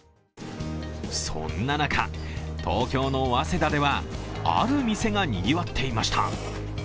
そんな中、東京の早稲田では、ある店がにぎわっていました。